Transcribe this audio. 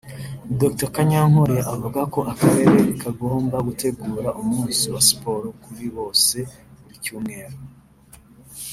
Dr Kanyankore avuga ko akarere kagomba gutegura umunsi wa siporo kuri bose buri cyumweru